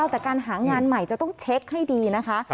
แต่การหางานใหม่จะต้องเช็คให้ดีนะคะ